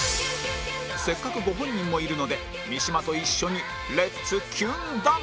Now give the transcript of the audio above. せっかくご本人もいるので三島と一緒にレッツキュンダンス